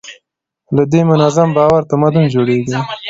له دې منظم باور تمدن جوړېږي.